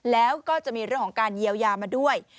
แล้วก็จะมีเรื่องของการเยียวยามาด้วย